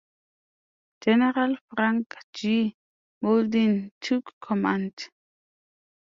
General Frank G. Mauldin took command.